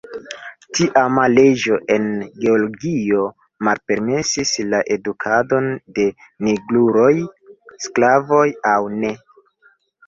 Tiama leĝo en Georgio malpermesis la edukadon de nigruloj, sklavoj aŭ ne.